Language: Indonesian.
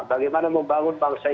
bagaimana membangun bangsa ini